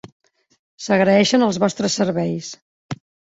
S'agraeixen els vostres serveis.